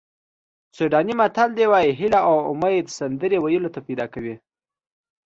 سوډاني متل وایي هیله او امید سندرې ویلو ته پیدا کوي.